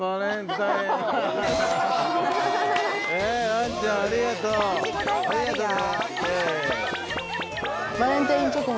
ランちゃんありがとう。ありがとね。